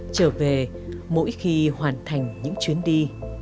trở về mỗi khi hoàn thành những chuyến đi